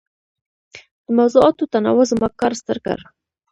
د موضوعاتو تنوع زما کار ستر کړ.